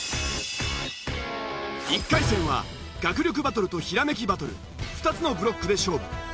１回戦は学力バトルとひらめきバトル２つのブロックで勝負。